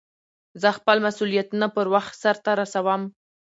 زه خپل مسئولیتونه پر وخت سرته رسوم.